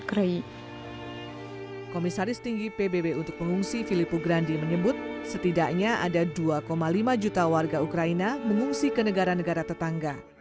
komisaris tinggi pbb untuk pengungsi filippo grandi menyebut setidaknya ada dua lima juta warga ukraina mengungsi ke negara negara tetangga